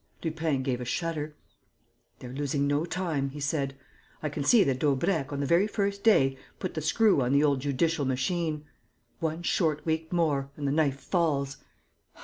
Lupin gave a shudder. "They're losing no time," he said. "I can see that Daubrecq, on the very first day, put the screw on the old judicial machine. One short week more ... and the knife falls.